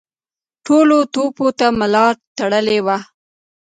ټولو توبو ته ملا تړلې وه.